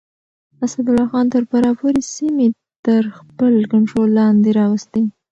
اسدالله خان تر فراه پورې سيمې تر خپل کنټرول لاندې راوستې.